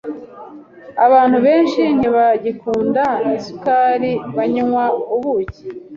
Abantu benshi ntibagikunda isukari banywa ubuki